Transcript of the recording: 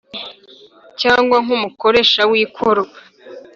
Cyangwa nk umukoresha w ikoro